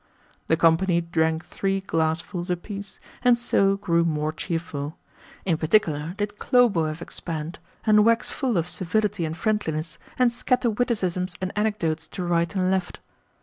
The company drank three glassfuls apiece, and so grew more cheerful. In particular did Khlobuev expand, and wax full of civility and friendliness, and scatter witticisms and anecdotes to right and left.